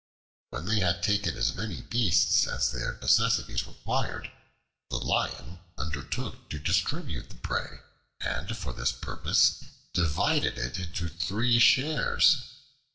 When they had taken as many beasts as their necessities required, the Lion undertook to distribute the prey, and for this purpose divided it into three shares.